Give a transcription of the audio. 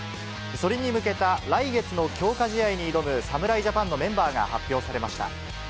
それに向けた来月の強化試合に挑む侍ジャパンのメンバーが発表されました。